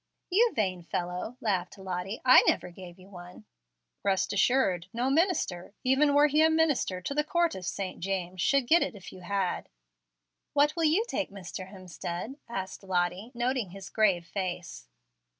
"You vain fellow," laughed Lottie. "I never gave you one." "Rest assured, no minister even were he a minister to the Court of St. James should get it, if you had." "What will you take, Mr. Hemstead?" asked Lottie, noting his grave face.